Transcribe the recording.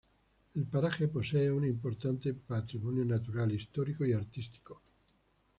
El paraje posee un importante patrimonio natural, histórico y artístico.